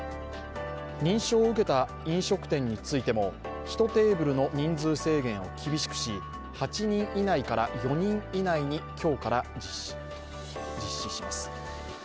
認証を受けた飲食店についても１テーブルの人数制限を厳しくし、８人以内から４人以内に今日から実施します。